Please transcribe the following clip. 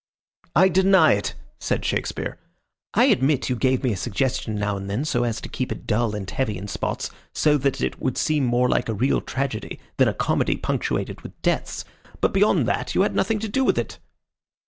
"I deny it," said Shakespeare. "I admit you gave me a suggestion now and then so as to keep it dull and heavy in spots, so that it would seem more like a real tragedy than a comedy punctuated with deaths, but beyond that you had nothing to do with it."